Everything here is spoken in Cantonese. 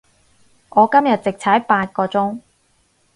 我今日直踩八個鐘